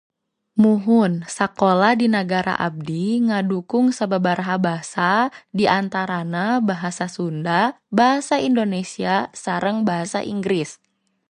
Muhun, sakola di nagara abdi ngadukung sababaraha basa, di antarana bahasa sunda, bahasa indonesia, sareng bahasa inggris.